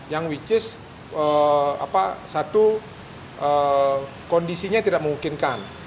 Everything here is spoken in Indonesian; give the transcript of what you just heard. yang which is satu kondisinya tidak memungkinkan